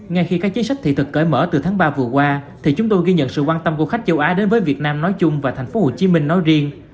ngay khi các chính sách thị thực cởi mở từ tháng ba vừa qua thì chúng tôi ghi nhận sự quan tâm của khách châu á đến với việt nam nói chung và thành phố hồ chí minh nói riêng